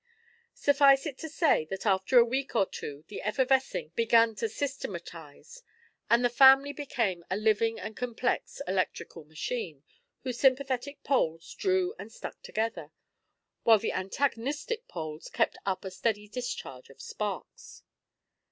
Suffice it to say that after a week or two the effervescing began to systematise, and the family became a living and complex electrical machine, whose sympathetic poles drew and stuck together, while the antagonistic poles kept up a steady discharge of sparks.